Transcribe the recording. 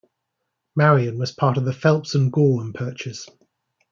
Marion was part of the Phelps and Gorham Purchase.